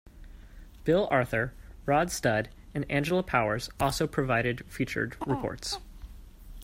Bill Arthur, Rod Studd and Angela Powers also provided featured reports.